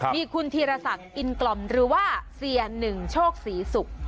มีคุณธีรศักดิ์อินกล่อมหรือว่าเสียหนึ่งโชคศรีศุกร์